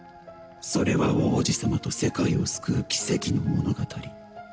それは王子様と世界を救う奇跡の物語。